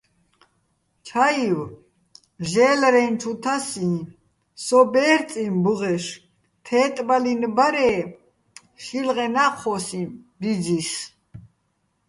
ჩაივ ჟე́ლრეჼ ჩუ თასიჼ, სო ბერწიჼ ბუღეშ, თე́ტბალინო̆ ბარ-ე შილღენა́ ჴოსიჼ ბიძის.